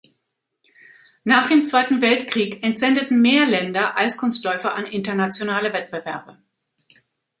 Nach dem Zweiten Weltkrieg entsendeten mehr Länder Eiskunstläufer an internationale Wettbewerbe.